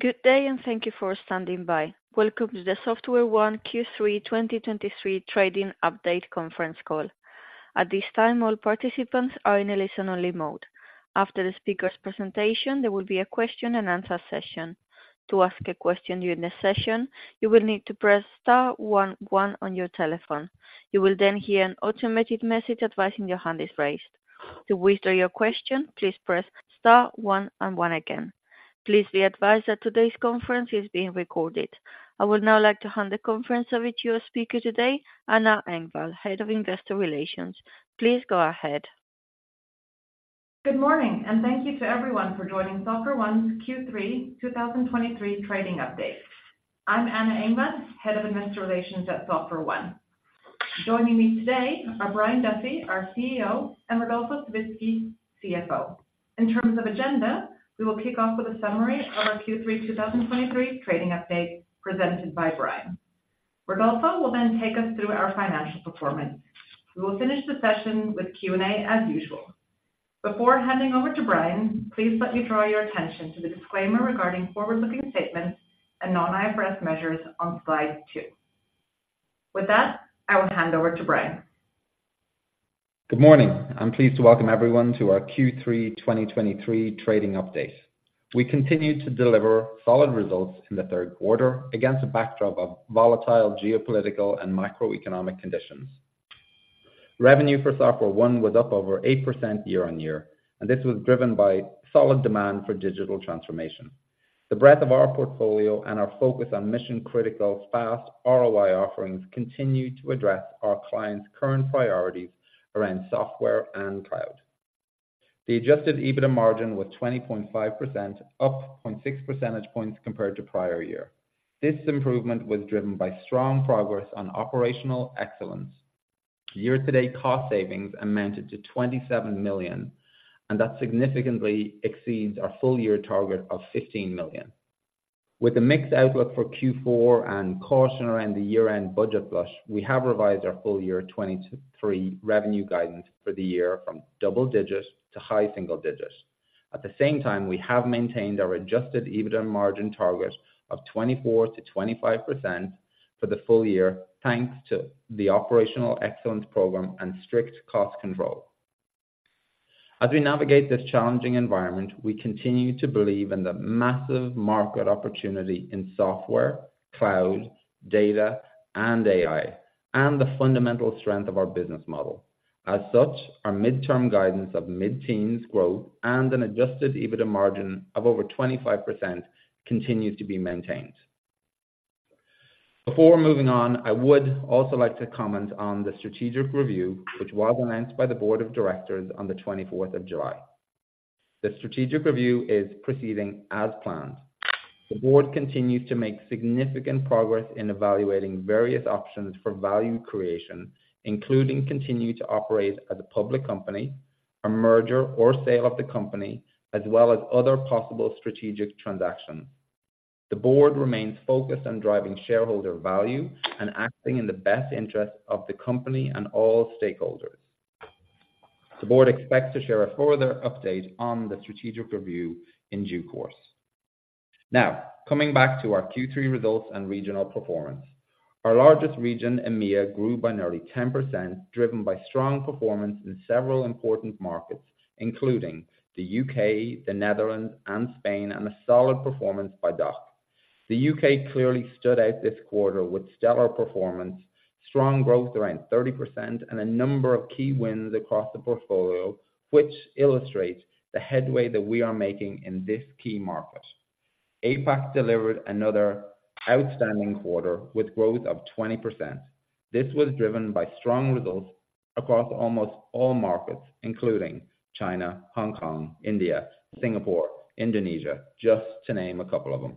Good day, and thank you for standing by. Welcome to the SoftwareOne Q3 2023 Trading Update conference call. At this time, all participants are in a listen-only mode. After the speaker's presentation, there will be a question-and-answer session. To ask a question during the session, you will need to press star one one on your telephone. You will then hear an automated message advising your hand is raised. To withdraw your question, please press star one and one again. Please be advised that today's conference is being recorded. I would now like to hand the conference over to your speaker today, Anna Engvall, Head of Investor Relations. Please go ahead. Good morning, and thank you to everyone for joining SoftwareOne's Q3 2023 trading update. I'm Anna Engvall, Head of Investor Relations at SoftwareOne. Joining me today are Brian Duffy, our CEO, and Rodolfo Savitzky, CFO. In terms of agenda, we will kick off with a summary of our Q3 2023 trading update presented by Brian. Rodolfo will then take us through our financial performance. We will finish the session with Q&A as usual. Before handing over to Brian, please let me draw your attention to the disclaimer regarding forward-looking statements and non-IFRS measures on slide two. With that, I will hand over to Brian. Good morning. I'm pleased to welcome everyone to our Q3 2023 trading update. We continued to deliver solid results in the third quarter against a backdrop of volatile geopolitical and macroeconomic conditions. Revenue for SoftwareOne was up over 8% year-on-year, and this was driven by solid demand for digital transformation. The breadth of our portfolio and our focus on mission-critical fast ROI offerings continued to address our clients' current priorities around software and cloud. The adjusted EBITDA margin was 20.5%, up from six percentage points compared to prior year. This improvement was driven by strong progress on operational excellence. Year-to-date cost savings amounted to 27 million, and that significantly exceeds our full year target of 15 million. With a mixed outlook for Q4 and caution around the year-end budget flush, we have revised our full-year 2023 revenue guidance for the year from double digits to high single digits. At the same time, we have maintained our Adjusted EBITDA margin target of 24%-25% for the full year, thanks to the operational excellence program and strict cost control. As we navigate this challenging environment, we continue to believe in the massive market opportunity in software, cloud, data, and AI, and the fundamental strength of our business model. As such, our mid-term guidance of mid-teens growth and an Adjusted EBITDA margin of over 25% continues to be maintained. Before moving on, I would also like to comment on the strategic review, which was announced by the board of directors on the 24th of July. The strategic review is proceeding as planned. The board continues to make significant progress in evaluating various options for value creation, including continue to operate as a public company, a merger or sale of the company, as well as other possible strategic transactions. The board remains focused on driving shareholder value and acting in the best interest of the company and all stakeholders. The board expects to share a further update on the strategic review in due course. Now, coming back to our Q3 results and regional performance. Our largest region, EMEA, grew by nearly 10%, driven by strong performance in several important markets, including the U.K., the Netherlands, and Spain, and a solid performance by DACH. The U.K. clearly stood out this quarter with stellar performance, strong growth around 30%, and a number of key wins across the portfolio, which illustrates the headway that we are making in this key market. APAC delivered another outstanding quarter with growth of 20%. This was driven by strong results across almost all markets, including China, Hong Kong, India, Singapore, Indonesia, just to name a couple of them.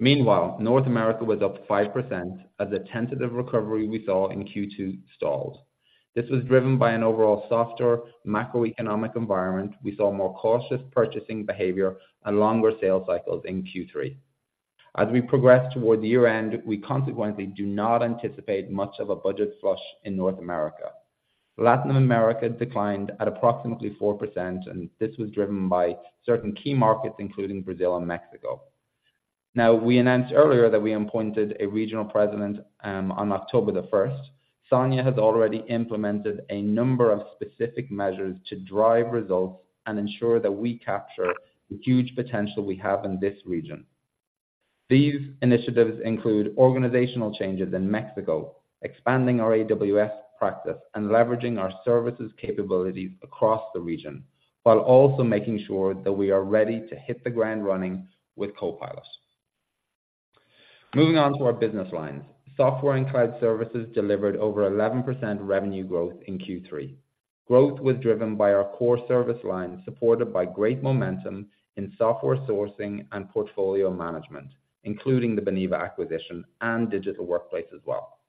Meanwhile, North America was up 5% as a tentative recovery we saw in Q2 stalled. This was driven by an overall softer macroeconomic environment. We saw more cautious purchasing behavior and longer sales cycles in Q3. As we progress toward the year-end, we consequently do not anticipate much of a budget flush in North America. Latin America declined at approximately 4%, and this was driven by certain key markets, including Brazil and Mexico. Now, we announced earlier that we appointed a regional president on October the first. Sonia has already implemented a number of specific measures to drive results and ensure that we capture the huge potential we have in this region. These initiatives include organizational changes in Mexico, expanding our AWS practice, and leveraging our services capabilities across the region, while also making sure that we are ready to hit the ground running with Copilot. Moving on to our business lines. Software and cloud services delivered over 11% revenue growth in Q3. Growth was driven by our core service line, supported by great momentum in software sourcing and portfolio management, including the Beniva acquisition and digital workplace as well.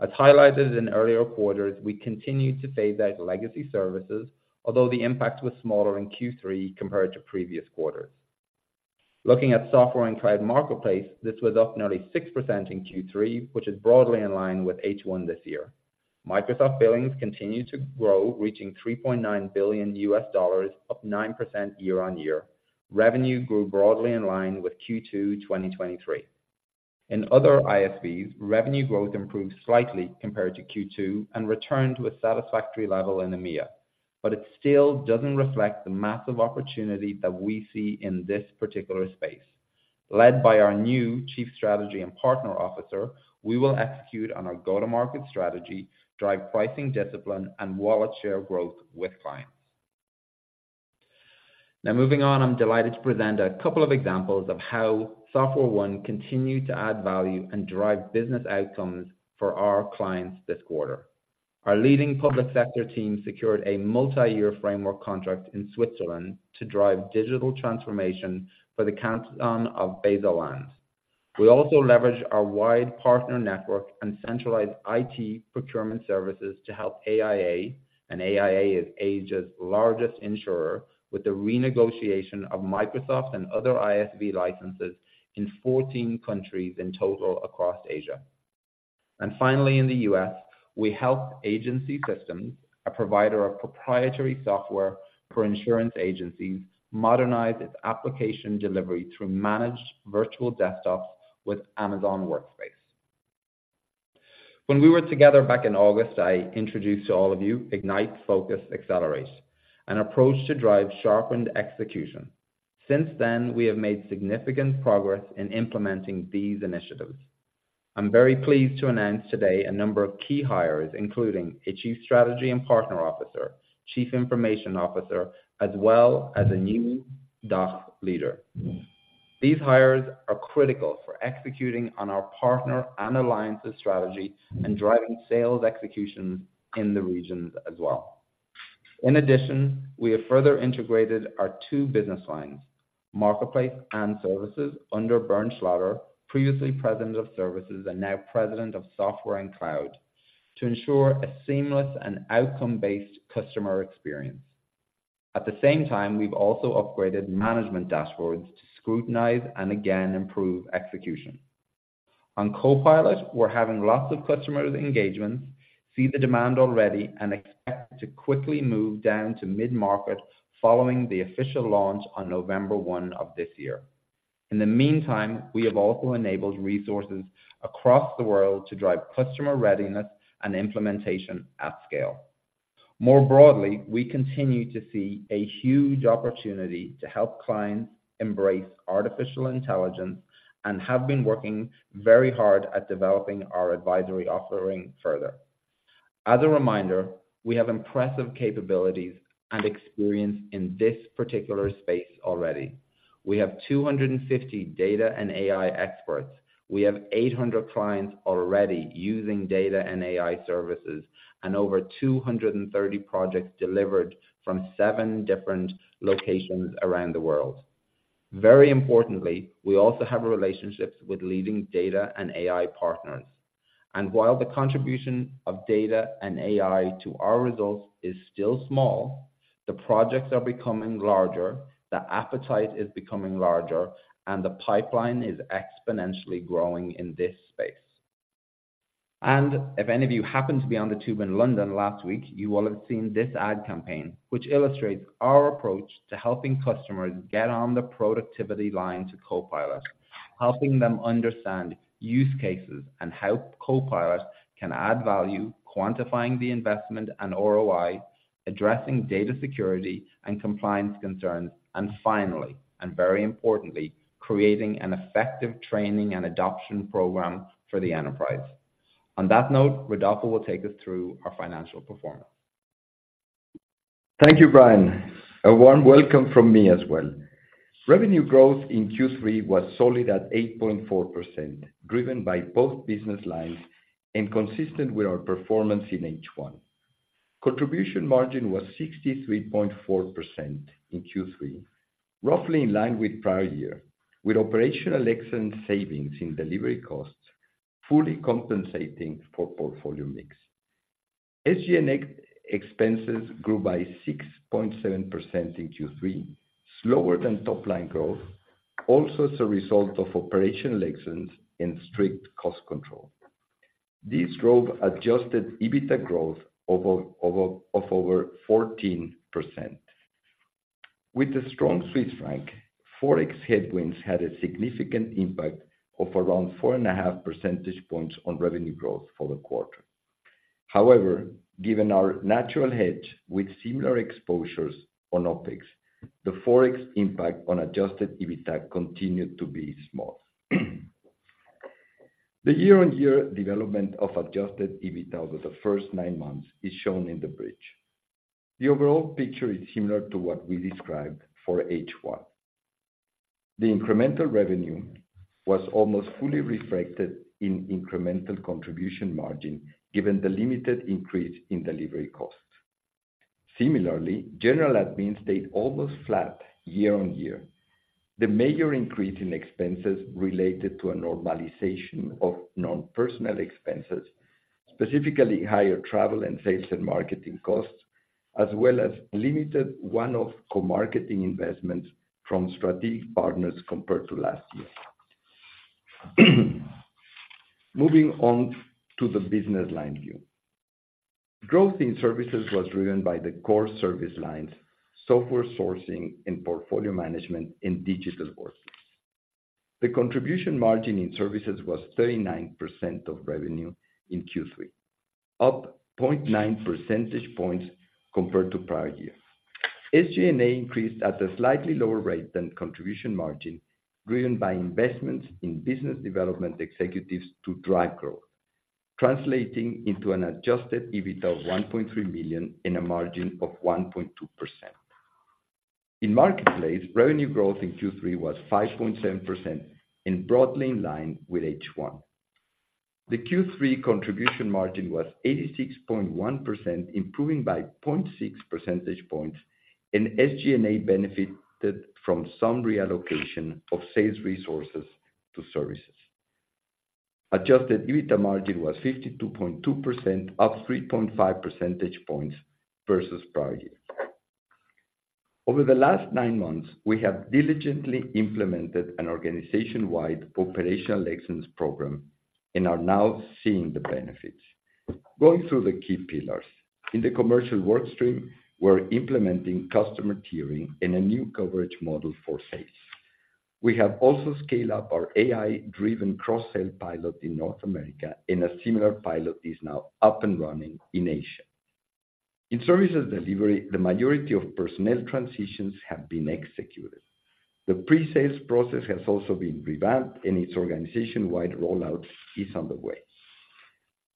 As highlighted in earlier quarters, we continued to phase out legacy services, although the impact was smaller in Q3 compared to previous quarters. Looking at software and cloud marketplace, this was up nearly 6% in Q3, which is broadly in line with H1 this year.... Microsoft billings continued to grow, reaching $3.9 billion, up 9% year-on-year. Revenue grew broadly in line with Q2, 2023. In other ISVs, revenue growth improved slightly compared to Q2 and returned to a satisfactory level in EMEA, but it still doesn't reflect the massive opportunity that we see in this particular space. Led by our new Chief Strategy and Partner Officer, we will execute on our go-to-market strategy, drive pricing discipline, and wallet share growth with clients. Now, moving on, I'm delighted to present a couple of examples of how SoftwareOne continued to add value and drive business outcomes for our clients this quarter. Our leading public sector team secured a multi-year framework contract in Switzerland to drive digital transformation for the Canton of Baselland. We also leveraged our wide partner network and centralized IT procurement services to help AIA, and AIA is Asia's largest insurer, with the renegotiation of Microsoft and other ISV licenses in 14 countries in total across Asia. And finally, in the US, we helped Agency Systems, a provider of proprietary software for insurance agencies, modernize its application delivery through managed virtual desktops with Amazon WorkSpaces. When we were together back in August, I introduced to all of you, Ignite, Focus, Accelerate, an approach to drive sharpened execution. Since then, we have made significant progress in implementing these initiatives. I'm very pleased to announce today a number of key hires, including a Chief Strategy and Partner Officer, Chief Information Officer, as well as a new DACH leader. These hires are critical for executing on our partner and alliances strategy and driving sales execution in the regions as well. In addition, we have further integrated our two business lines, Marketplace and Services, under Bernd Schlotter, previously President of Services and now President of Software and Cloud, to ensure a seamless and outcome-based customer experience. At the same time, we've also upgraded management dashboards to scrutinize and again, improve execution. On Copilot, we're having lots of customer engagements, see the demand already, and expect to quickly move down to mid-market following the official launch on November 1 of this year. In the meantime, we have also enabled resources across the world to drive customer readiness and implementation at scale. More broadly, we continue to see a huge opportunity to help clients embrace artificial intelligence and have been working very hard at developing our advisory offering further. As a reminder, we have impressive capabilities and experience in this particular space already. We have 250 data and AI experts. We have 800 clients already using data and AI services, and over 230 projects delivered from seven different locations around the world. Very importantly, we also have relationships with leading data and AI partners. And while the contribution of data and AI to our results is still small, the projects are becoming larger, the appetite is becoming larger, and the pipeline is exponentially growing in this space. And if any of you happened to be on the tube in London last week, you will have seen this ad campaign, which illustrates our approach to helping customers get on the productivity line to Copilot, helping them understand use cases and how Copilot can add value, quantifying the investment and ROI, addressing data security and compliance concerns, and finally, and very importantly, creating an effective training and adoption program for the enterprise. On that note, Rodolfo will take us through our financial performance. Thank you, Brian. A warm welcome from me as well. Revenue growth in Q3 was solely at 8.4%, driven by both business lines and consistent with our performance in H1. Contribution margin was 63.4% in Q3, roughly in line with prior year, with operational excellence savings in delivery costs, fully compensating for portfolio mix. SG&A expenses grew by 6.7% in Q3, slower than top-line growth, also as a result of operational excellence and strict cost control. This drove Adjusted EBITDA growth of over 14%. With the strong Swiss franc, Forex headwinds had a significant impact of around 4.5 percentage points on revenue growth for the quarter. However, given our natural hedge with similar exposures on OpEx, the Forex impact on Adjusted EBITDA continued to be small. The year-on-year development of Adjusted EBITDA over the first nine months is shown in the bridge. The overall picture is similar to what we described for H1. The incremental revenue was almost fully reflected in incremental contribution margin, given the limited increase in delivery costs. Similarly, general admin stayed almost flat year-on-year. The major increase in expenses related to a normalization of non-personnel expenses, specifically higher travel and sales and marketing costs, as well as limited one-off co-marketing investments from strategic partners compared to last year. Moving on to the business line view. Growth in services was driven by the core service lines, software sourcing and portfolio management in digital courses. The contribution margin in services was 39% of revenue in Q3, up 0.9 percentage points compared to prior year. SG&A increased at a slightly lower rate than contribution margin, driven by investments in business development executives to drive growth, translating into an Adjusted EBITDA of 1.3 million and a margin of 1.2%. In marketplace, revenue growth in Q3 was 5.7% and broadly in line with H1. The Q3 contribution margin was 86.1%, improving by 0.6 percentage points, and SG&A benefited from some reallocation of sales resources to services. Adjusted EBITDA margin was 52.2%, up 3.5 percentage points versus prior year. Over the last nine months, we have diligently implemented an organization-wide operational excellence program and are now seeing the benefits. Going through the key pillars. In the commercial workstream, we're implementing customer tiering in a new coverage model for sales. We have also scaled up our AI-driven cross-sell pilot in North America, and a similar pilot is now up and running in Asia. In services delivery, the majority of personnel transitions have been executed. The presales process has also been revamped, and its organization-wide rollout is on the way.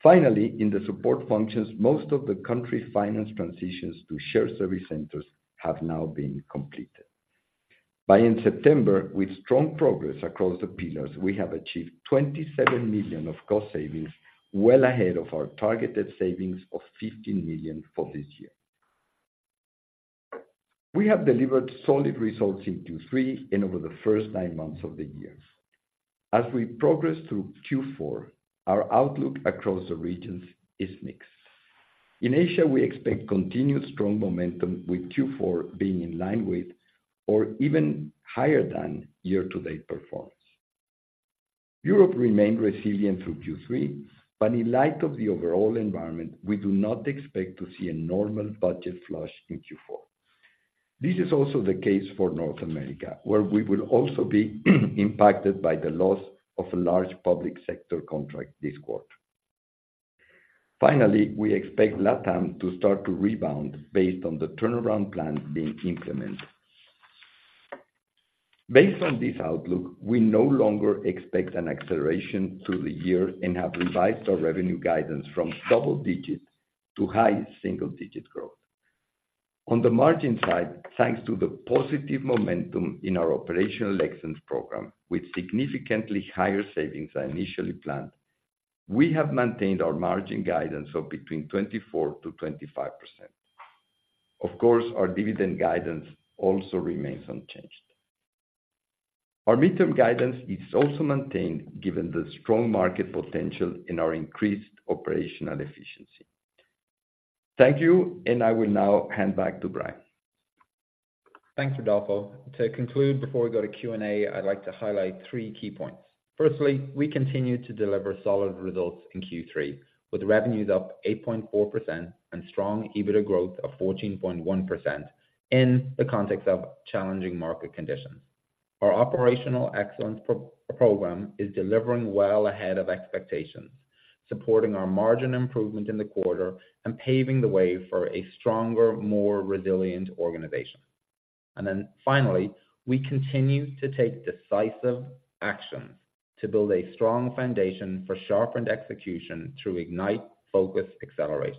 Finally, in the support functions, most of the country finance transitions to shared service centers have now been completed. By end September, with strong progress across the pillars, we have achieved 27 million of cost savings, well ahead of our targeted savings of 15 million for this year. We have delivered solid results in Q3 and over the first nine months of the year. As we progress through Q4, our outlook across the regions is mixed. In Asia, we expect continued strong momentum, with Q4 being in line with or even higher than year-to-date performance. Europe remained resilient through Q3, but in light of the overall environment, we do not expect to see a normal budget flush in Q4. This is also the case for North America, where we will also be impacted by the loss of a large public sector contract this quarter. Finally, we expect Latam to start to rebound based on the turnaround plan being implemented. Based on this outlook, we no longer expect an acceleration through the year and have revised our revenue guidance from double digit to high single digit growth. On the margin side, thanks to the positive momentum in our Operational Excellence program, with significantly higher savings than initially planned, we have maintained our margin guidance of between 24%-25%. Of course, our dividend guidance also remains unchanged. Our midterm guidance is also maintained given the strong market potential and our increased operational efficiency. Thank you, and I will now hand back to Brian. Thanks, Rodolfo. To conclude, before we go to Q&A, I'd like to highlight three key points. Firstly, we continue to deliver solid results in Q3, with revenues up 8.4% and strong EBITDA growth of 14.1% in the context of challenging market conditions. Our Operational Excellence program is delivering well ahead of expectations, supporting our margin improvement in the quarter and paving the way for a stronger, more resilient organization. And then finally, we continue to take decisive actions to build a strong foundation for sharpened execution through Ignite, Focus, Accelerate.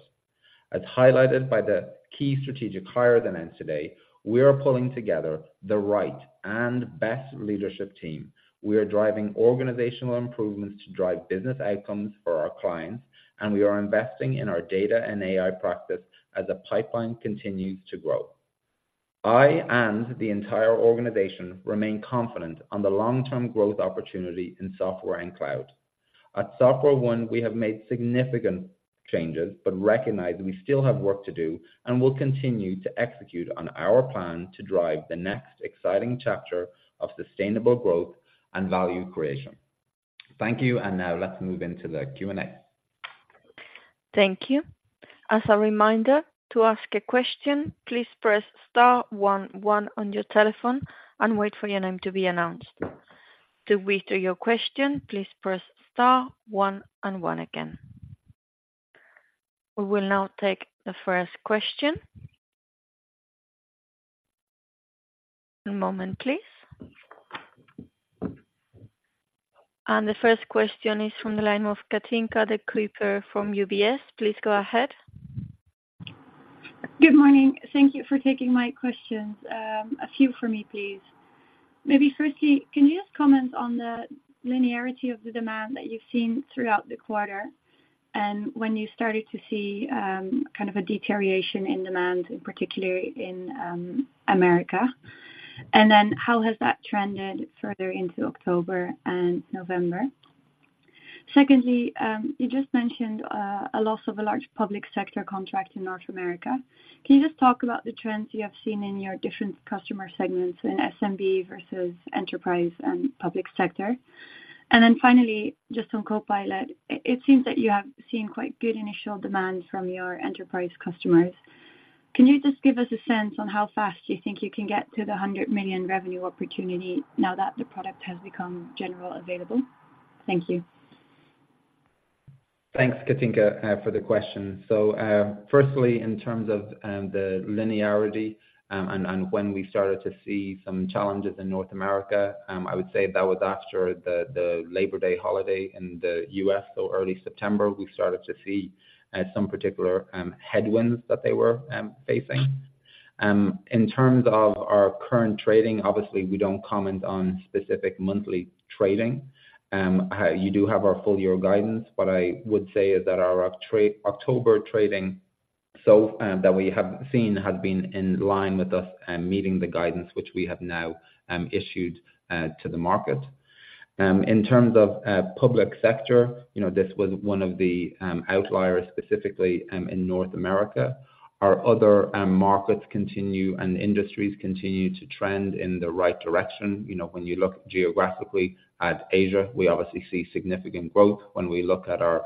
As highlighted by the key strategic hire announcements today, we are pulling together the right and best leadership team. We are driving organizational improvements to drive business outcomes for our clients, and we are investing in our data and AI practice as the pipeline continues to grow. I and the entire organization remain confident on the long-term growth opportunity in software and cloud. At SoftwareOne, we have made significant changes, but recognize we still have work to do and will continue to execute on our plan to drive the next exciting chapter of sustainable growth and value creation. Thank you, and now let's move into the Q&A. Thank you. As a reminder, to ask a question, please press star one, one on your telephone and wait for your name to be announced. To withdraw your question, please press star one and one again. We will now take the first question. One moment, please. And the first question is from the line of Katinka de Kruijf from UBS. Please go ahead. Good morning. Thank you for taking my questions. A few for me, please. Maybe firstly, can you just comment on the linearity of the demand that you've seen throughout the quarter, and when you started to see kind of a deterioration in demand, particularly in America? And then how has that trended further into October and November? Secondly, you just mentioned a loss of a large public sector contract in North America. Can you just talk about the trends you have seen in your different customer segments in SMB versus enterprise and public sector? And then finally, just on Copilot, it seems that you have seen quite good initial demands from your enterprise customers. Can you just give us a sense on how fast you think you can get to the 100 million revenue opportunity now that the product has become generally available? Thank you. Thanks, Katinka, for the question. So, firstly, in terms of the linearity, and when we started to see some challenges in North America, I would say that was after the Labor Day holiday in the U.S. So early September, we started to see some particular headwinds that they were facing. In terms of our current trading, obviously, we don't comment on specific monthly trading. You do have our full year guidance, but I would say is that our October trading, so that we have seen, has been in line with us meeting the guidance which we have now issued to the market. In terms of public sector, you know, this was one of the outliers, specifically in North America. Our other markets continue, and industries continue to trend in the right direction. You know, when you look geographically at Asia, we obviously see significant growth. When we look at our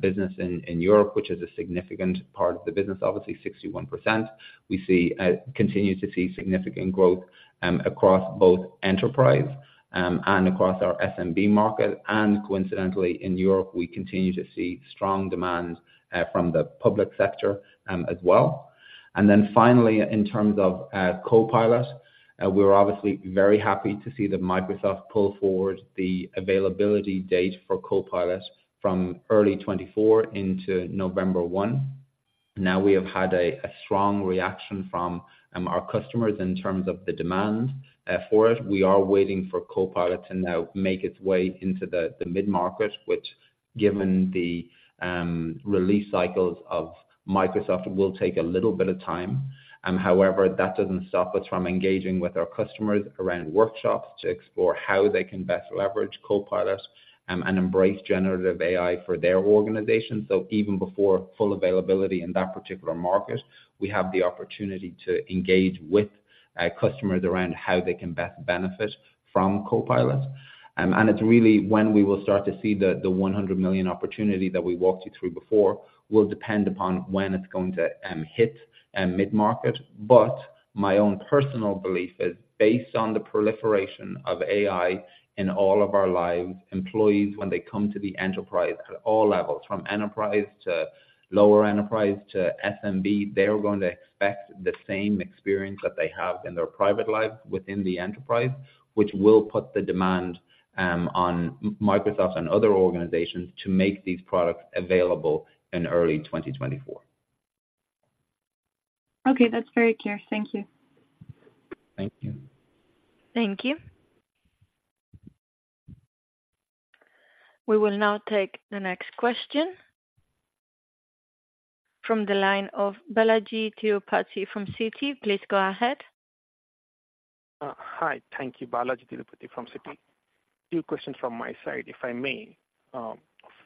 business in Europe, which is a significant part of the business, obviously 61%, we see continue to see significant growth across both enterprise and across our SMB market. And coincidentally, in Europe, we continue to see strong demand from the public sector as well. And then finally, in terms of Copilot, we're obviously very happy to see that Microsoft pull forward the availability date for Copilot from early 2024 into November 1. Now, we have had a strong reaction from our customers in terms of the demand for it. We are waiting for Copilot to now make its way into the mid-market, which given the release cycles of Microsoft, will take a little bit of time. However, that doesn't stop us from engaging with our customers around workshops to explore how they can best leverage Copilot and embrace generative AI for their organization. So even before full availability in that particular market, we have the opportunity to engage with customers around how they can best benefit from Copilot. And it's really when we will start to see the 100 million opportunity that we walked you through before, will depend upon when it's going to hit mid-market. But my own personal belief is based on the proliferation of AI in all of our lives. Employees, when they come to the enterprise at all levels, from enterprise to lower enterprise to SMB, they are going to expect the same experience that they have in their private life within the enterprise, which will put the demand on Microsoft and other organizations to make these products available in early 2024. Okay. That's very clear. Thank you. Thank you. Thank you. We will now take the next question from the line of Balaji Thirumalai from Citi. Please go ahead. Hi. Thank you, Balaji Thiru from Citi. Two questions from my side, if I may.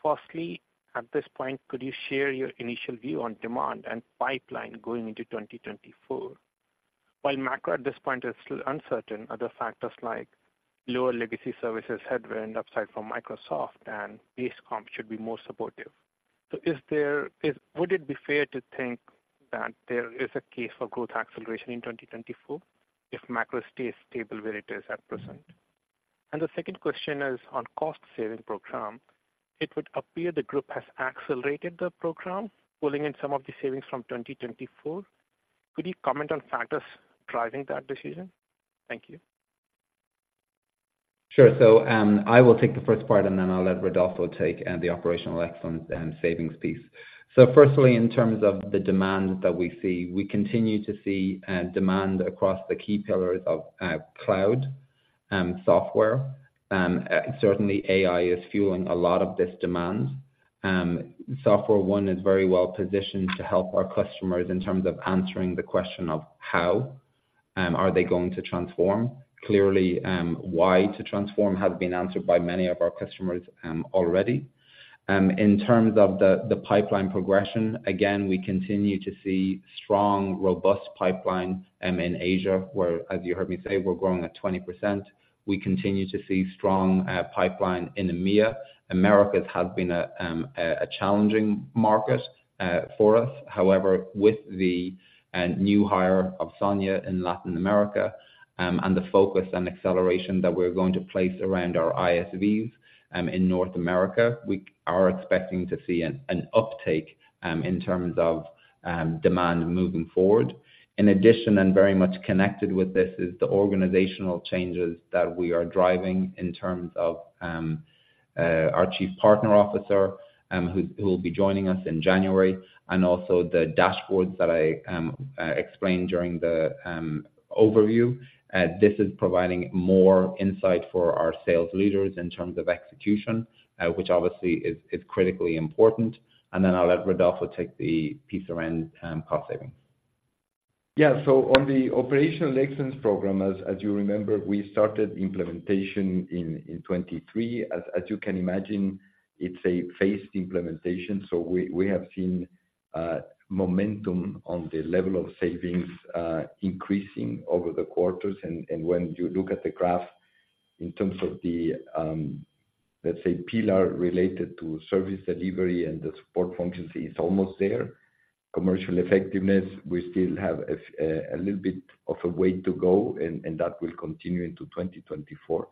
Firstly, at this point, could you share your initial view on demand and pipeline going into 2024? While macro at this point is still uncertain, other factors like lower legacy services headwind, upside from Microsoft and base comp should be more supportive. So, would it be fair to think that there is a case for growth acceleration in 2024 if macro stays stable where it is at present? And the second question is on cost saving program. It would appear the group has accelerated the program, pulling in some of the savings from 2024. Could you comment on factors driving that decision? Thank you. Sure. So, I will take the first part, and then I'll let Rodolfo take the operational excellence and savings piece. So firstly, in terms of the demand that we see, we continue to see demand across the key pillars of cloud and software. Certainly AI is fueling a lot of this demand. SoftwareOne is very well positioned to help our customers in terms of answering the question of how are they going to transform? Clearly, why to transform has been answered by many of our customers already. In terms of the pipeline progression, again, we continue to see strong, robust pipeline in Asia, where, as you heard me say, we're growing at 20%. We continue to see strong pipeline in EMEA. Americas have been a challenging market for us. However, with the new hire of Sonia in Latin America, and the focus and acceleration that we're going to place around our ISVs, in North America, we are expecting to see an uptake, in terms of, demand moving forward. In addition, and very much connected with this, is the organizational changes that we are driving in terms of, our Chief Partner Officer, who will be joining us in January, and also the dashboards that I explained during the overview. This is providing more insight for our sales leaders in terms of execution, which obviously is critically important. And then I'll let Rodolfo take the piece around, cost savings.... Yeah. So on the operational excellence program, as you remember, we started implementation in 2023. As you can imagine, it's a phased implementation. So we have seen momentum on the level of savings increasing over the quarters. And when you look at the graph in terms of the, let's say, pillar related to service delivery and the support functions, it's almost there. Commercial effectiveness, we still have a little bit of a way to go, and that will continue into 2024.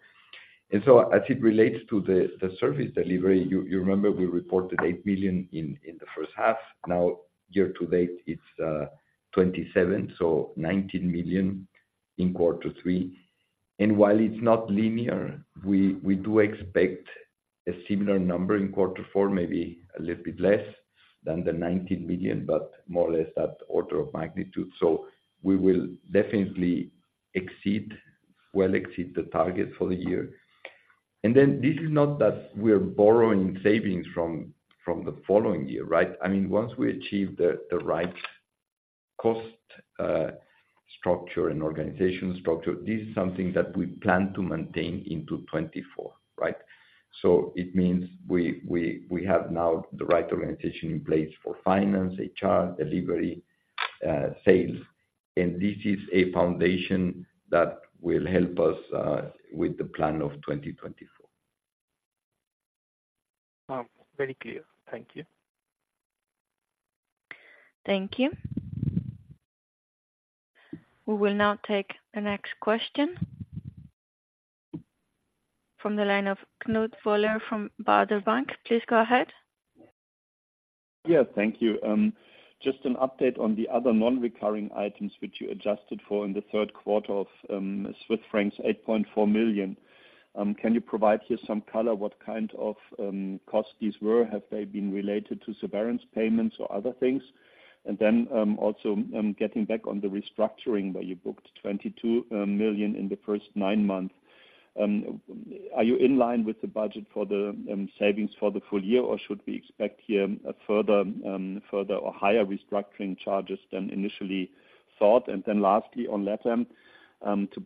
And so as it relates to the service delivery, you remember we reported 8 million in the first half. Now, year to date, it's 27 million, so 19 million in quarter three. While it's not linear, we do expect a similar number in quarter four, maybe a little bit less than the 19 million, but more or less that order of magnitude. So we will definitely exceed, well exceed the target for the year. And then this is not that we're borrowing savings from the following year, right? I mean, once we achieve the right cost structure and organization structure, this is something that we plan to maintain into 2024, right? So it means we have now the right organization in place for finance, HR, delivery, sales, and this is a foundation that will help us with the plan of 2024. Very clear. Thank you. Thank you. We will now take the next question. From the line of Knut Woller from Baader Bank. Please go ahead. Yeah, thank you. Just an update on the other non-recurring items which you adjusted for in the third quarter of Swiss francs 8.4 million. Can you provide here some color, what kind of costs these were? Have they been related to severance payments or other things? And then, also, getting back on the restructuring, where you booked 22 million in the first nine months, are you in line with the budget for the savings for the full year, or should we expect here a further or higher restructuring charges than initially thought? And then lastly, on LATAM, to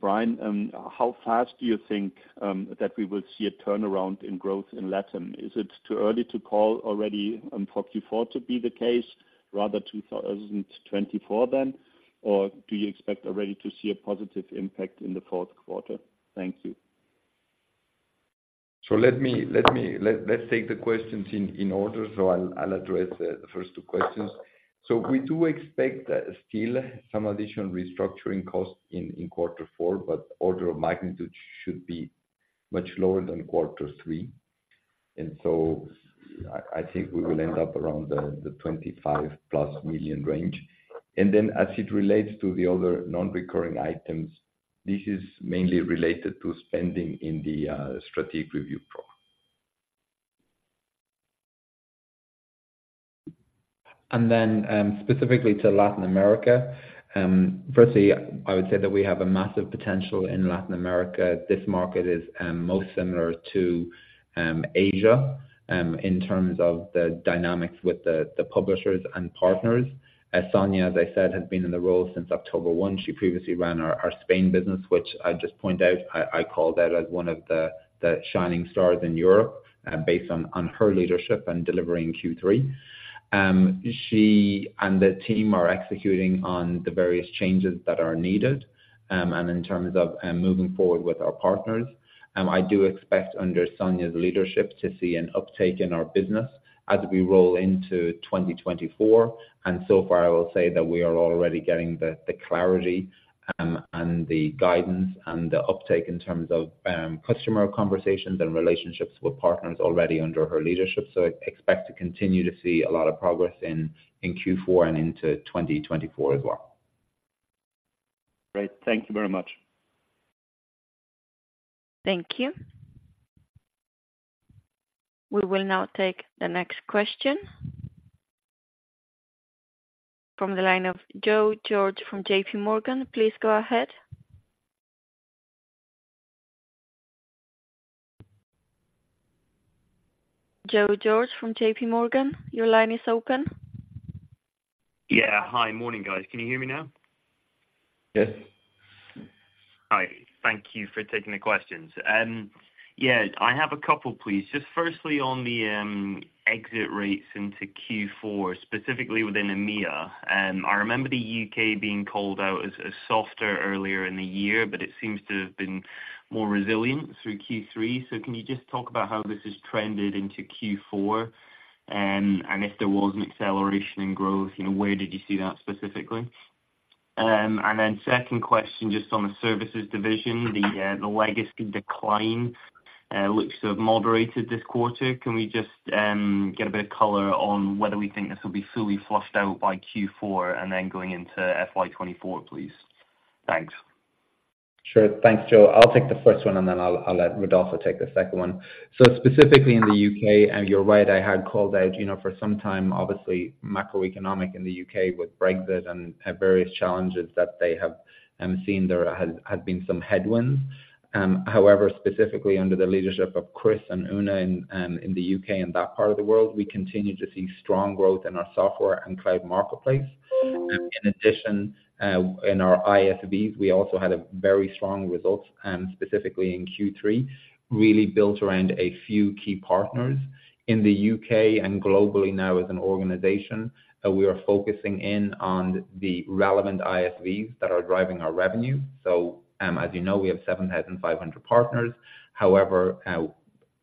Brian, how fast do you think that we will see a turnaround in growth in LATAM? Is it too early to call already for Q4 to be the case, rather 2024 then? Or do you expect already to see a positive impact in the fourth quarter? Thank you. So let's take the questions in order. So I'll address the first two questions. So we do expect still some additional restructuring costs in quarter four, but order of magnitude should be much lower than quarter three. And so I think we will end up around the 25+ million range. And then as it relates to the other non-recurring items, this is mainly related to spending in the strategic review program. Specifically to Latin America, firstly, I would say that we have a massive potential in Latin America. This market is most similar to Asia in terms of the dynamics with the publishers and partners. As Sonia, as I said, has been in the role since October 1, she previously ran our Spain business, which I just pointed out I called out as one of the shining stars in Europe based on her leadership and delivering Q3. She and the team are executing on the various changes that are needed, and in terms of moving forward with our partners. I do expect under Sonia's leadership to see an uptake in our business as we roll into 2024. And so far, I will say that we are already getting the clarity, and the guidance and the uptake in terms of customer conversations and relationships with partners already under her leadership. So I expect to continue to see a lot of progress in Q4 and into 2024 as well. Great. Thank you very much. Thank you. We will now take the next question. From the line of Joe George from J.P. Morgan. Please go ahead. Joe George from J.P. Morgan, your line is open. Yeah. Hi. Morning, guys. Can you hear me now? Yes. Hi. Thank you for taking the questions. Yeah, I have a couple, please. Just firstly, on the exit rates into Q4, specifically within EMEA, I remember the UK being called out as softer earlier in the year, but it seems to have been more resilient through Q3. So can you just talk about how this has trended into Q4? And if there was an acceleration in growth, you know, where did you see that specifically? And then second question, just on the services division, the legacy decline looks to have moderated this quarter. Can we just get a bit of color on whether we think this will be fully flushed out by Q4 and then going into FY 2024, please? Thanks. Sure. Thanks, Joe. I'll take the first one, and then I'll let Rodolfo take the second one. So specifically in the UK, and you're right, I had called out, you know, for some time, obviously, macroeconomic in the UK with Brexit and various challenges that they have seen there has been some headwinds. However, specifically under the leadership of Chris and Una in the UK and that part of the world, we continue to see strong growth in our software and cloud marketplace. In addition, in our ISVs, we also had very strong results, specifically in Q3, really built around a few key partners in the UK and globally now as an organization, that we are focusing in on the relevant ISVs that are driving our revenue. So, as you know, we have 7,500 partners. However,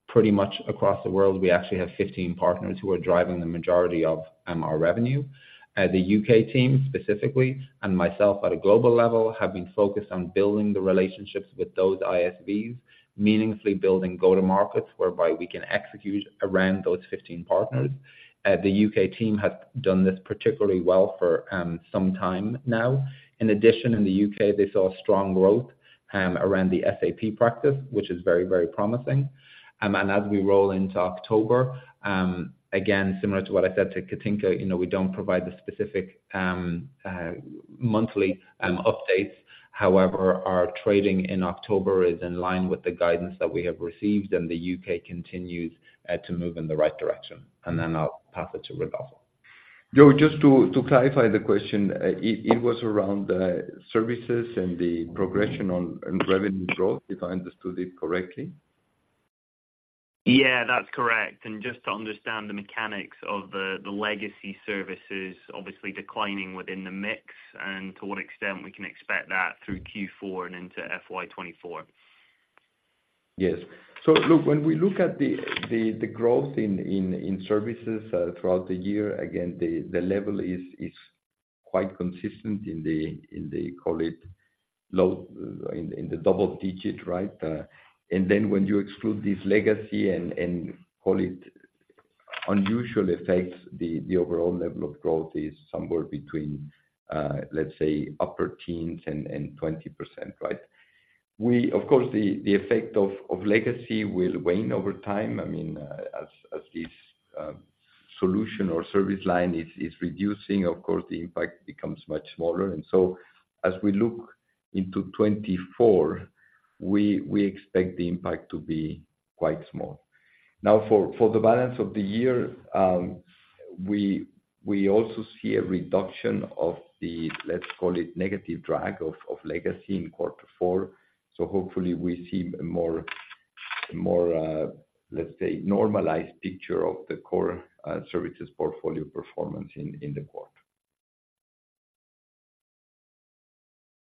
pretty much across the world, we actually have 15 partners who are driving the majority of our revenue. The U.K. team, specifically, and myself at a global level, have been focused on building the relationships with those ISVs, meaningfully building go-to-markets, whereby we can execute around those 15 partners. The U.K. team has done this particularly well for some time now. In addition, in the U.K., they saw strong growth around the SAP practice, which is very, very promising. And as we roll into October, again, similar to what I said to Katinka, you know, we don't provide the specific monthly updates. However, our trading in October is in line with the guidance that we have received, and the U.K. continues to move in the right direction. And then I'll pass it to Gonzalo. Joe, just to clarify the question, it was around services and the progression on revenue growth, if I understood it correctly? Yeah, that's correct. And just to understand the mechanics of the legacy services, obviously declining within the mix, and to what extent we can expect that through Q4 and into FY 2024? Yes. So look, when we look at the growth in services throughout the year, again, the level is quite consistent in the, call it, low double digit, right? And then when you exclude this legacy and call it unusual effects, the overall level of growth is somewhere between, let's say, upper teens and 20%, right? Of course, the effect of legacy will wane over time. I mean, as this solution or service line is reducing, of course, the impact becomes much smaller. And so as we look into 2024, we expect the impact to be quite small. Now, for the balance of the year, we also see a reduction of the, let's call it, negative drag of legacy in quarter four. So hopefully we see a more, let's say, normalized picture of the core services portfolio performance in the quarter.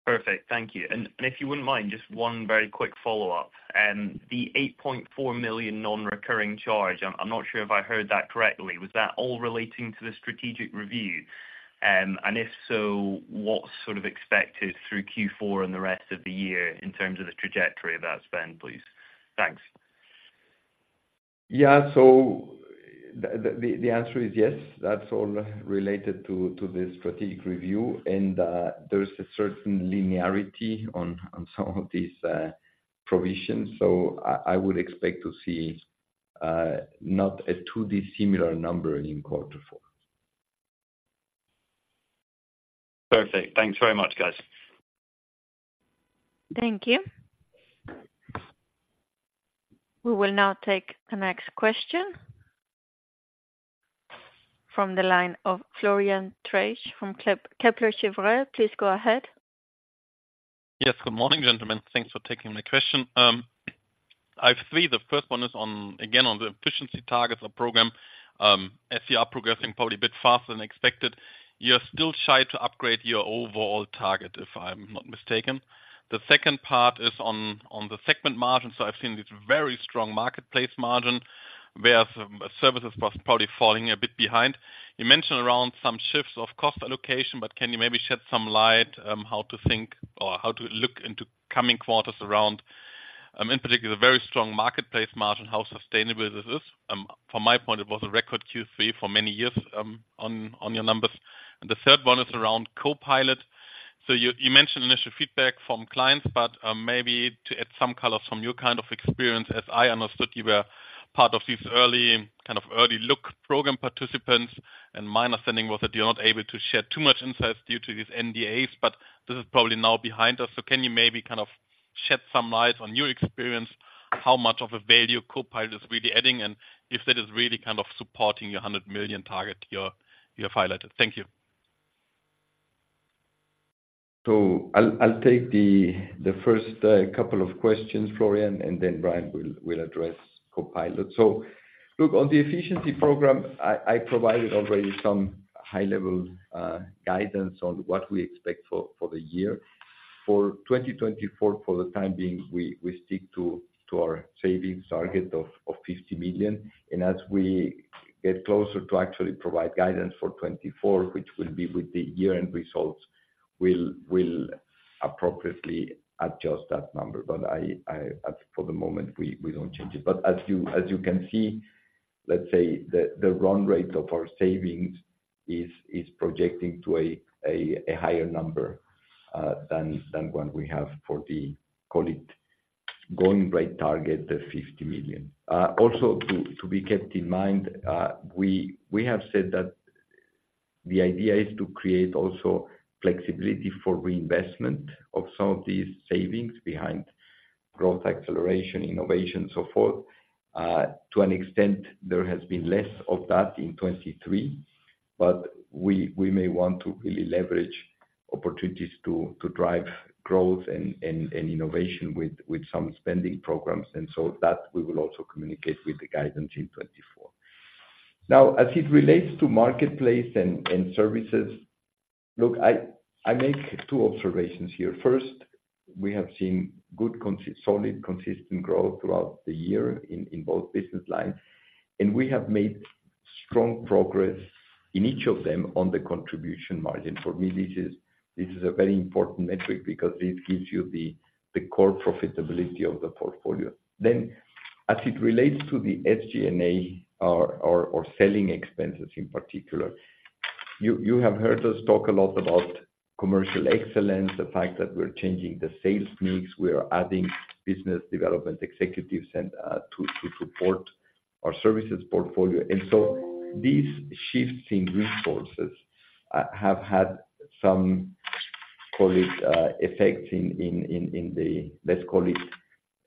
Perfect. Thank you. If you wouldn't mind, just one very quick follow-up. The 8.4 million non-recurring charge, I'm not sure if I heard that correctly. Was that all relating to the strategic review? And if so, what's sort of expected through Q4 and the rest of the year in terms of the trajectory of that spend, please? Thanks. Yeah. So the answer is yes, that's all related to the Strategic review, and there's a certain linearity on some of these provisions. So I would expect to see not a too dissimilar number in quarter four. Perfect. Thanks very much, guys. Thank you. We will now take the next question from the line of Florian Treisch from Kepler Cheuvreux. Please go ahead. Yes. Good morning, gentlemen. Thanks for taking my question. I have three. The first one is on, again, on the efficiency targets or program. As you are progressing probably a bit faster than expected, you're still shy to upgrade your overall target, if I'm not mistaken. The second part is on the segment margin. So I've seen this very strong Marketplace margin, whereas Services was probably falling a bit behind. You mentioned around some shifts of cost allocation, but can you maybe shed some light on how to think or how to look into coming quarters around, in particular, the very strong Marketplace margin, how sustainable this is? From my point, it was a record Q3 for many years on your numbers. And the third one is around Copilot. So you, you mentioned initial feedback from clients, but, maybe to add some color from your kind of experience, as I understood, you were part of this early, kind of early look program participants, and my understanding was that you're not able to share too much insights due to these NDAs, but this is probably now behind us. So can you maybe kind of shed some light on your experience, how much of a value Copilot is really adding, and if that is really kind of supporting your 100 million target, your, you have highlighted? Thank you. So I'll take the first couple of questions, Florian, and then Brian will address Copilot. So look, on the efficiency program, I provided already some high-level guidance on what we expect for the year. For 2024, for the time being, we stick to our savings target of 50 million. And as we get closer to actually provide guidance for 2024, which will be with the year-end results, we'll appropriately adjust that number. But as for the moment, we don't change it. But as you can see, let's say the run rate of our savings is projecting to a higher number than what we have for the, call it, going rate target, the 50 million. Also, to be kept in mind, we have said that the idea is to create also flexibility for reinvestment of some of these savings behind growth, acceleration, innovation, so forth. To an extent, there has been less of that in 2023, but we may want to really leverage opportunities to drive growth and innovation with some spending programs. And so that we will also communicate with the guidance in 2024. Now, as it relates to marketplace and services, look, I make two observations here. First, we have seen good, solid, consistent growth throughout the year in both business lines, and we have made strong progress in each of them on the contribution margin. For me, this is a very important metric because it gives you the core profitability of the portfolio. Then as it relates to the SG&A or selling expenses in particular, you have heard us talk a lot about commercial excellence, the fact that we're changing the sales mix, we are adding business development executives and to support our services portfolio. And so these shifts in resources have had some, call it, effect in the... Let's call it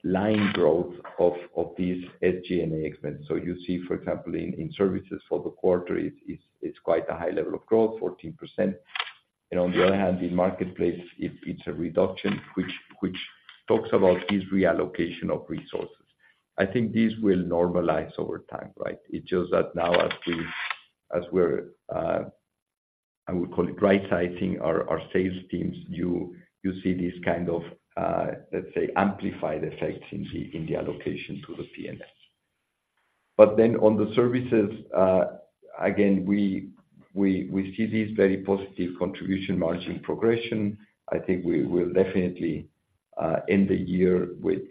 line growth of these SG&A expenses. So you see, for example, in services for the quarter, it's quite a high level of growth, 14%. And on the other hand, in marketplace, it's a reduction which talks about this reallocation of resources. I think this will normalize over time, right? It's just that now as we're, I would call it, right-sizing our sales teams, you see this kind of, let's say, amplified effect in the allocation to the P&Ls. But then on the services, again, we see this very positive contribution margin progression. I think we will definitely end the year with,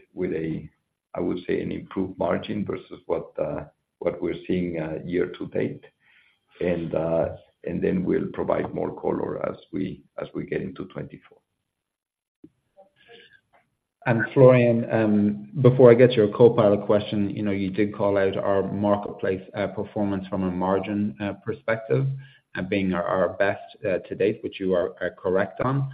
I would say, an improved margin versus what we're seeing year to date. And then we'll provide more color as we get into 2024. And Florian, before I get to your Copilot question, you know, you did call out our marketplace, performance from a margin, perspective, being our, our best, to date, which you are, are correct on.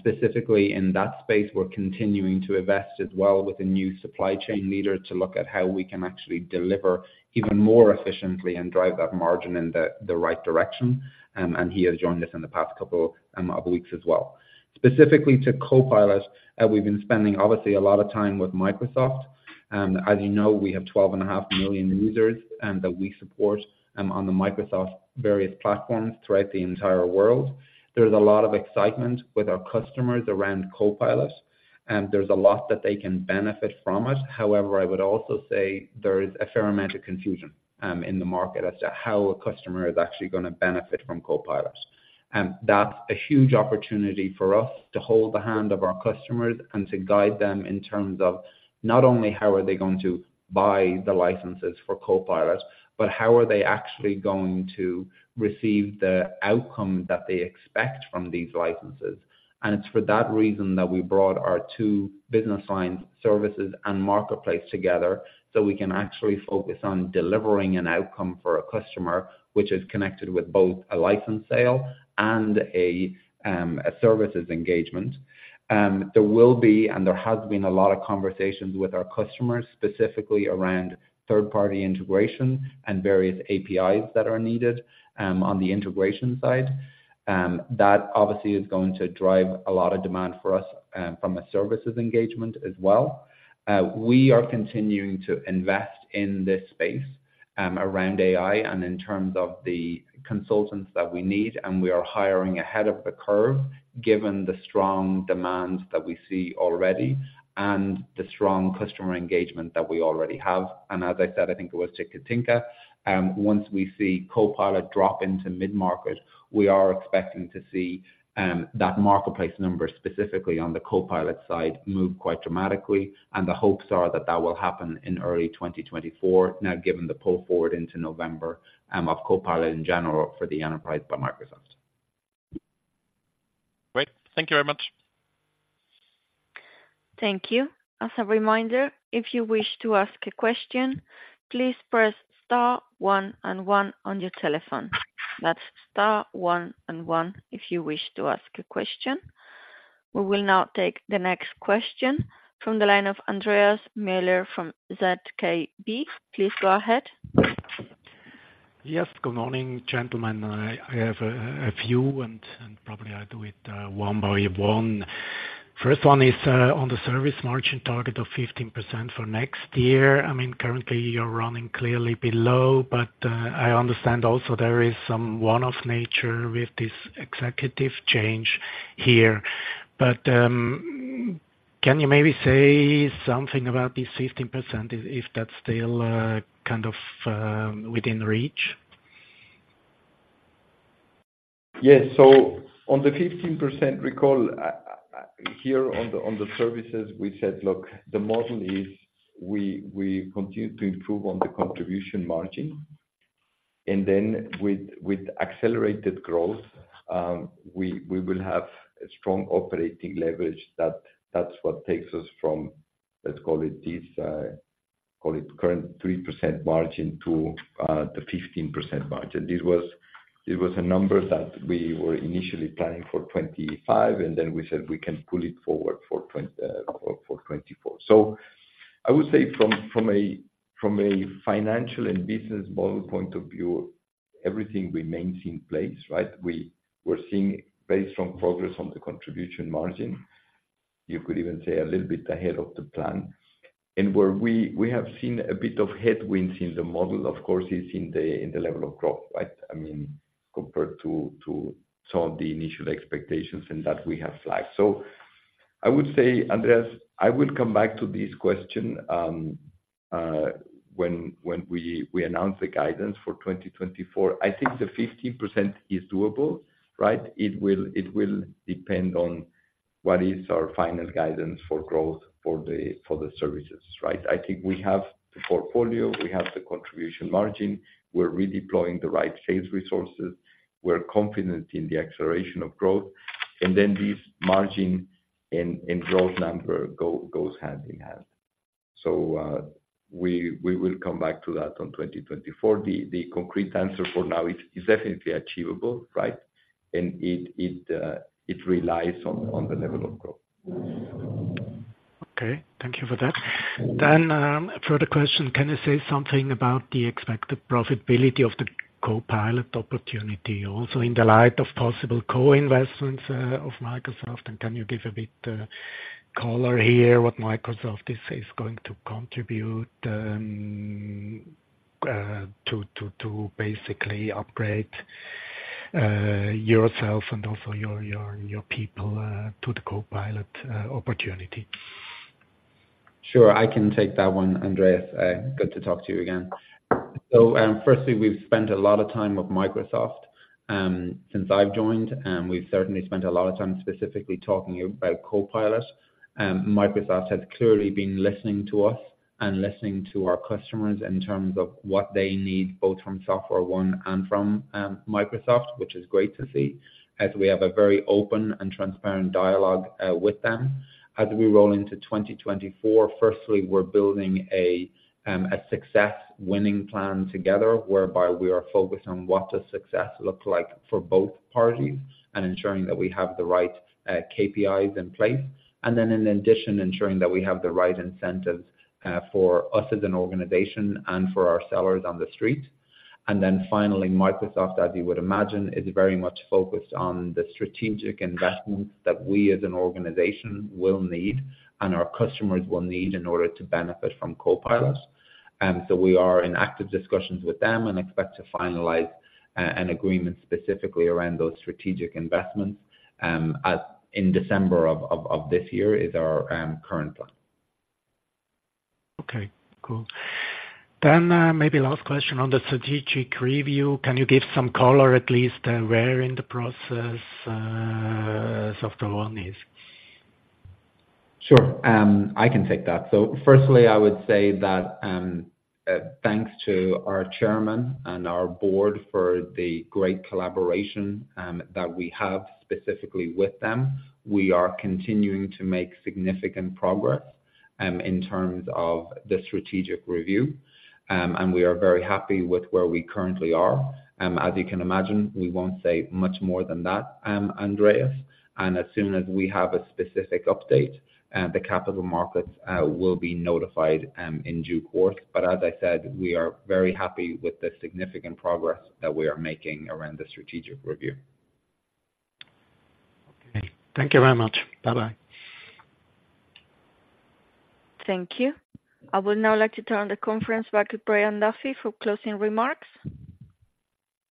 Specifically in that space, we're continuing to invest as well with a new supply chain leader to look at how we can actually deliver even more efficiently and drive that margin in the, the right direction. And he has joined us in the past couple of weeks as well. Specifically to Copilot, we've been spending obviously a lot of time with Microsoft. As you know, we have 12.5 million users that we support on the Microsoft various platforms throughout the entire world. There's a lot of excitement with our customers around Copilot, and there's a lot that they can benefit from it. However, I would also say there is a fair amount of confusion in the market as to how a customer is actually gonna benefit from Copilot. That's a huge opportunity for us to hold the hand of our customers and to guide them in terms of not only how are they going to buy the licenses for Copilot, but how are they actually going to receive the outcome that they expect from these licenses. It's for that reason that we brought our two business lines, services and marketplace, together, so we can actually focus on delivering an outcome for a customer, which is connected with both a license sale and a services engagement. There will be, and there has been a lot of conversations with our customers, specifically around third-party integration and various APIs that are needed, on the integration side. That obviously is going to drive a lot of demand for us, from a services engagement as well. We are continuing to invest in this space, around AI and in terms of the consultants that we need, and we are hiring ahead of the curve, given the strong demands that we see already and the strong customer engagement that we already have. And as I said, I think it was to Katinka, once we see Copilot drop into mid-market, we are expecting to see, that marketplace number, specifically on the Copilot side, move quite dramatically. The hopes are that that will happen in early 2024, now, given the pull forward into November of Copilot in general for the enterprise by Microsoft. Great. Thank you very much. Thank you. As a reminder, if you wish to ask a question, please press star one and one on your telephone. That's star one and one if you wish to ask a question. We will now take the next question from the line of Andreas Müller from ZKB. Please go ahead. Yes, good morning, gentlemen. I have a few, and probably I do it one by one. First one is on the service margin target of 15% for next year. I mean, currently you're running clearly below, but I understand also there is some one-off nature with this executive change here. But can you maybe say something about this 15%, if that's still kind of within reach? Yes. So on the 15%, recall, here on the services, we said, look, the model is we continue to improve on the contribution margin. And then with accelerated growth, we will have a strong operating leverage. That's what takes us from, let's call it this, call it current 3% margin to the 15% margin. This was a number that we were initially planning for 2025, and then we said we can pull it forward for 2024. I would say from a financial and business model point of view, everything remains in place, right? We're seeing very strong progress on the contribution margin. You could even say a little bit ahead of the plan. Where we have seen a bit of headwinds in the model, of course, is in the level of growth, right? I mean, compared to some of the initial expectations, and that we have flagged. So I would say, Andreas, I will come back to this question when we announce the guidance for 2024. I think the 15% is doable, right? It will depend on what is our final guidance for growth for the services, right? I think we have the portfolio, we have the contribution margin, we're redeploying the right sales resources, we're confident in the acceleration of growth, and then this margin and growth number goes hand in hand. So we will come back to that on 2024. The concrete answer for now is definitely achievable, right? And it relies on the level of growth. Okay, thank you for that. Then, a further question, can you say something about the expected profitability of the Copilot opportunity, also in the light of possible co-investments of Microsoft, and can you give a bit of color here, what Microsoft is going to contribute to basically upgrade yourself and also your people to the Copilot opportunity? Sure, I can take that one, Andreas. Good to talk to you again. Firstly, we've spent a lot of time with Microsoft since I've joined. We've certainly spent a lot of time specifically talking about Copilot. Microsoft has clearly been listening to us and listening to our customers in terms of what they need, both from SoftwareOne and from Microsoft, which is great to see, as we have a very open and transparent dialogue with them. As we roll into 2024, firstly, we're building a success winning plan together, whereby we are focused on what does success look like for both parties and ensuring that we have the right KPIs in place. In addition, ensuring that we have the right incentives for us as an organization and for our sellers on the street. And then finally, Microsoft, as you would imagine, is very much focused on the strategic investments that we as an organization will need and our customers will need in order to benefit from Copilot. So we are in active discussions with them and expect to finalize an agreement specifically around those strategic investments in December of this year, is our current plan. Okay, cool. Maybe last question on the strategic review. Can you give some color, at least, where in the process SoftwareOne is? Sure, I can take that. Firstly, I would say that, thanks to our chairman and our board for the great collaboration that we have specifically with them, we are continuing to make significant progress in terms of the strategic review. We are very happy with where we currently are. As you can imagine, we won't say much more than that, Andreas, and as soon as we have a specific update, the capital markets will be notified in due course. But as I said, we are very happy with the significant progress that we are making around the strategic review. Okay. Thank you very much. Bye-bye. Thank you. I would now like to turn the conference back to Brian Duffy for closing remarks.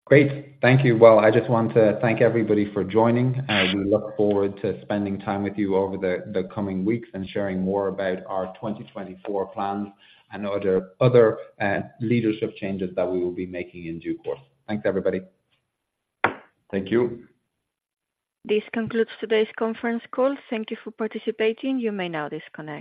Great. Thank you. Well, I just want to thank everybody for joining. We look forward to spending time with you over the coming weeks and sharing more about our 2024 plans and other leadership changes that we will be making in due course. Thanks, everybody. Thank you. This concludes today's conference call. Thank you for participating. You may now disconnect.